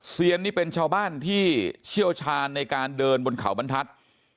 เซียนนี่เป็นชาวบ้านที่เชี่ยวชาญในการเดินบนเขาบรรทัศน์